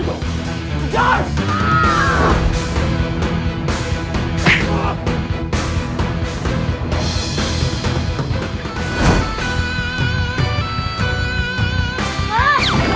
tuh siar putraku